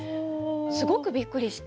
すごくびっくりして。